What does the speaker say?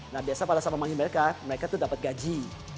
nah biasa pada saat memanggil mereka mereka tuh dapat gaji